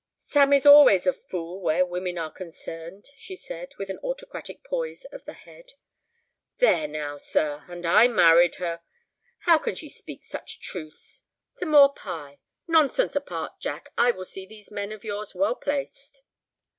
"Sam is always a fool where women are concerned," she said, with an autocratic poise of the head. "There now, sir—and I married her! How can she speak such truths? Some more pie? Nonsense apart, Jack, I will see these men of yours well placed."